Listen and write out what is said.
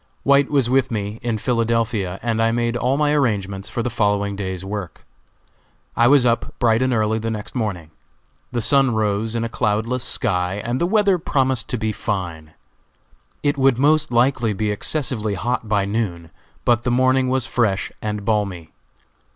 White was with me, in Philadelphia, and I made all my arrangements for the following day's work. I was up bright and early the next morning. The sun rose in a cloudless sky, and the weather promised to be fine. It would most likely be excessively hot by noon, but the morning was fresh and balmy.